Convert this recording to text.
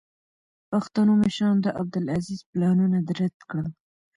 پښتنو مشرانو د عبدالعزیز پلانونه رد کړل.